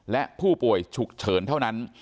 และผู้ป่วยฉุกเฉินเท่านั้น